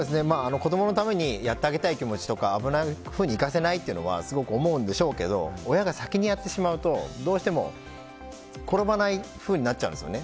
子供のためにやってあげたい気持ちとか危ないところに行かせないというのはすごく思うんでしょうけれども親が先にやってしまうとどうしても、転ばないふうになっちゃうんですよね。